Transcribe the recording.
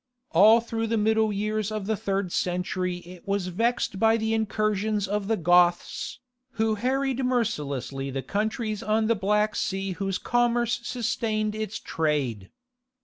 All through the middle years of the third century it was vexed by the incursions of the Goths, who harried mercilessly the countries on the Black Sea whose commerce sustained its trade.